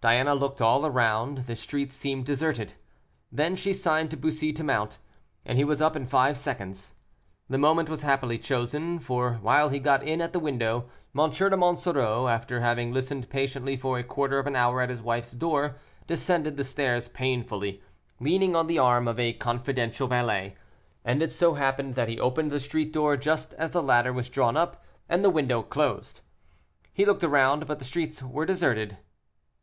Diana looked all around; the street seemed deserted. Then she signed to Bussy to mount, and he was up in five seconds. The moment was happily chosen, for while he got in at the window, M. de Monsoreau, after having listened patiently for a quarter of an hour at his wife's door, descended the stairs painfully, leaning on the arm of a confidential valet, and it so happened that he opened the street door just as the ladder was drawn up, and the window closed. He looked around, but the streets were deserted.